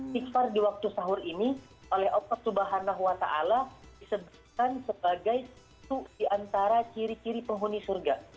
kikfar di waktu sahur ini oleh allah swt disebutkan sebagai suksiantara kiri kiri penghuni surga